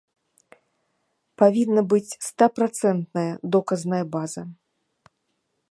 Павінна быць стапрацэнтная доказная база.